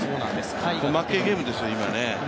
負けゲームですよね、今。